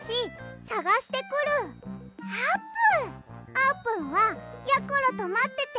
あーぷんはやころとまってて！